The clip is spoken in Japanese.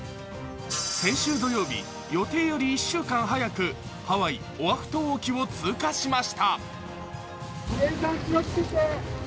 先週土曜日、予定より１週間早く、ハワイ・オアフ島沖を通過しました。